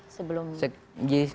lebih kurang jam sepuluh